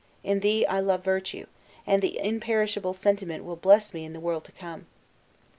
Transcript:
In thee I love virtue; and the imperishable sentiment will bless me in the world to come."